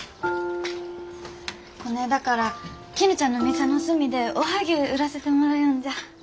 こねえだからきぬちゃんの店の隅でおはぎゅう売らせてもらよんじゃ。